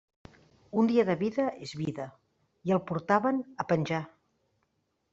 Un dia de vida és vida; i el portaven a penjar.